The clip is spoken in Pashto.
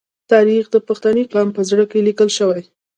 تاریخ د پښتني قام په زړه کې لیکل شوی.